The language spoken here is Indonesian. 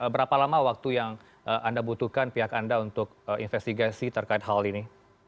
berapa lama waktu yang anda butuhkan pihak anda untuk investigasi terkait hal ini